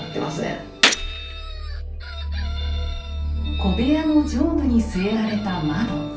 小部屋の上部に据えられた窓。